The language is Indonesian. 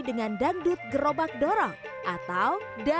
dengan dangdut gerobak dorong atau dana